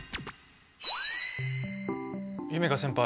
夢叶先輩